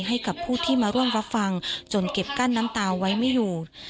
ให้กับผู้ที่มาร่วมรับฟังจนเก็บกั้นน้ำตาไว้ไม่อยู่